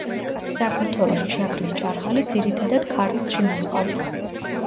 საქართველოში შაქრის ჭარხალი ძირითადად ქართლში მოჰყავთ.